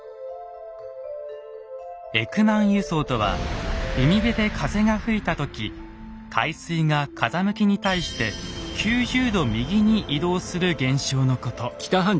エクマン輸送とは海辺で風が吹いた時海水が風向きに対して９０度右に移動する現象のこと。